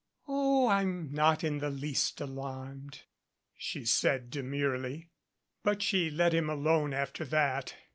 "Oh, I'm not in the least alarmed," she said demurely. But she let him alone after that.